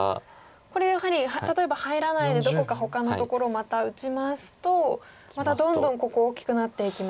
これやはり例えば入らないでどこかほかのところまた打ちますとまたどんどんここ大きくなっていきますか？